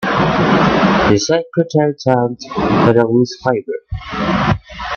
The secretary tugged at a loose fibre.